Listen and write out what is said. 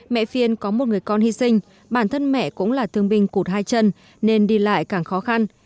mẹ phiên có một người con hy sinh bản thân mẹ cũng là thương binh cụt hai chân nên đi lại càng khó khăn